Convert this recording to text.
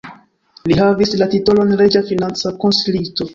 Li havis la titolon reĝa financa konsilisto.